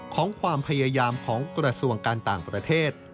ของความพยายามของกระทรวงการต่างประเทศ